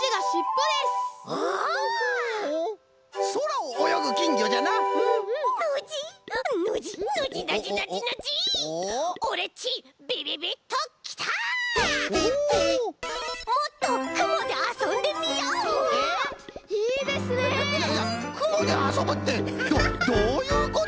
いやいやくもであそぶってどどういうこと！